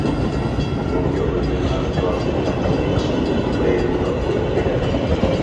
imom kuyov va kelinning roziligini olgach «xutbai nikoh» o’qiydi.